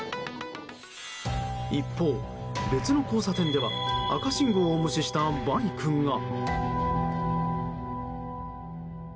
一方、別の交差点では赤信号を無視したバイクが。